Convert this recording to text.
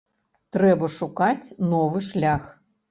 Трэба шукаць новы шлях.